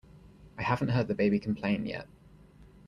I haven't heard the baby complain yet.